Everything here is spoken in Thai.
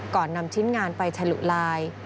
ก่อนนำชิ้นงานไปฉลุลาย